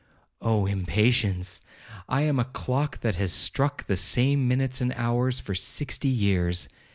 Oh impatience!—I am a clock that has struck the same minutes and hours for sixty years.